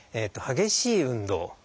激しい運動